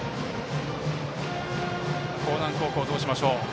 興南高校はどうしましょうか。